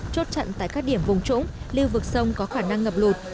chốt trận tại các điểm vùng trỗng lưu vực sông có khả năng ngập lụt